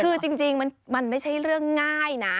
คือจริงมันไม่ใช่เรื่องง่ายนะ